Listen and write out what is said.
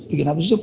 bikin apa sih cuk